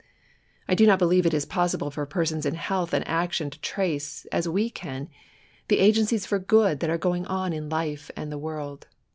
I do not believe it is possible for persons in health and action to trace, as we can, the agencies for good that are going on in life and the world.